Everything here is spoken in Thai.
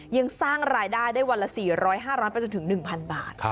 ยังสร้างรายได้ได้วันละ๔๐๐๕๐๐ไปจนถึง๑๐๐บาท